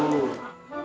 biar bisa jagain lo